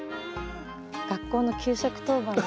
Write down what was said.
学校の給食当番の。